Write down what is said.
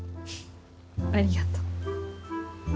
ありがと。